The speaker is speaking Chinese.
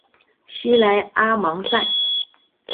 西莱阿芒塞。